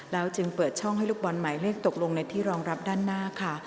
จึงเปิดช่องให้ลูกบอลหมายเลขตกลงในที่รองรับด้านหน้าค่ะ